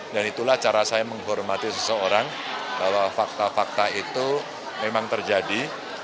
dan itulah cara saya menghormati seseorang bahwa fakta fakta itu memang terjadi